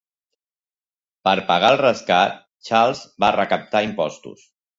Per pagar el rescat, Charles va recaptar impostos.